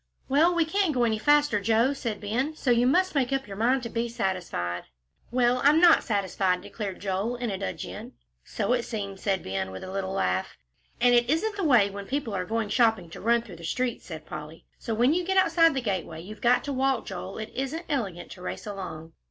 "Well, we can't go any faster, Joe," said Ben, "so you must make up your mind to be satisfied." "Well, I'm not satisfied," declared Joel, in a dudgeon. "So it seems," said Ben, with a little laugh. "And it isn't the way, when people are going shopping, to run through the street," said Polly, "so when you get outside the gateway, you've got to walk, Joel. It isn't elegant to race along."